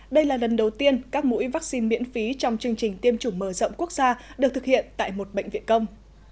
đây là lần đầu tiên các mũi vaccine miễn phí trong chương trình tiêm chủng mở rộng quốc gia được thực hiện tại một bệnh viện công